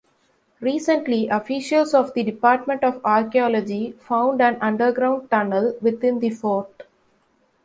Recently, officials of the Department of Archaeology found an underground tunnel within the fort.